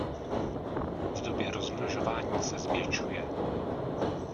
V době rozmnožování se zvětšuje.